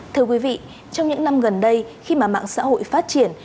thưa quý vị trong những năm gần đây khi mà mạng xã hội phát triển